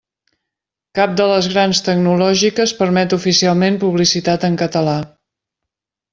Cap de les grans tecnològiques permet oficialment publicitat en català.